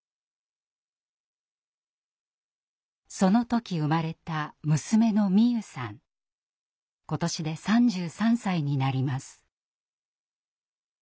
その時生まれた今年で３３歳になります。